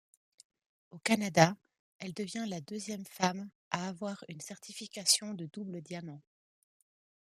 Au Canada, elle devient la deuxième femme à avoir une certification de double diamant.